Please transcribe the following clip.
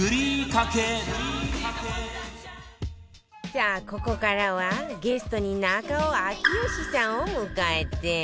さあここからはゲストに中尾明慶さんを迎えて